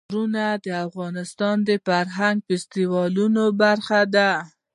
غرونه د افغانستان د فرهنګي فستیوالونو برخه ده.